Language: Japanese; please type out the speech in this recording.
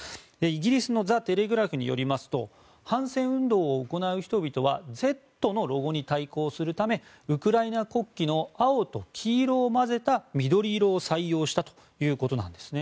イギリスのザ・テレグラフによりますと反戦運動を行う人々は「Ｚ」のロゴに対抗するためウクライナ国旗の青と黄色を混ぜた緑色を採用したということです。